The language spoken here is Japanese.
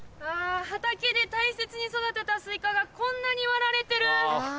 あぁ畑で大切に育てたスイカがこんなに割られてる！